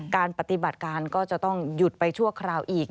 การปฏิบัติการก็จะต้องหยุดไปชั่วคราวอีก